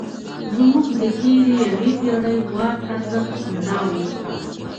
زموږ د تېرې یوې پېړۍ ورک ارزښت همدا و.